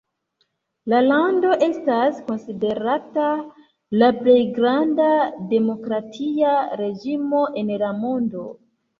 La lando estas konsiderata la plej granda demokratia reĝimo en la mondo.